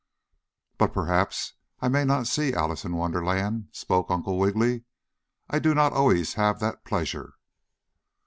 "But perhaps I may not see Alice in Wonderland," spoke Uncle Wiggily. "I do not always have that pleasure."